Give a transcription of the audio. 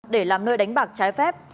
để làm nơi đánh bạc trái phép